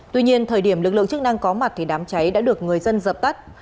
tuy nhiên thời điểm lực lượng chức năng có mặt thì đám cháy đã được người dân dập tắt